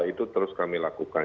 itu terus kami lakukan